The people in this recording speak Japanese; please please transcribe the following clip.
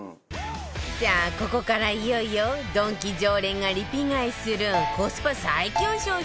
さあここからいよいよドンキ常連がリピ買いするコスパ最強商品